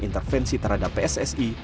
intervensi terhadap pssi